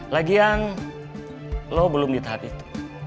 lagian lo belum di tahap itu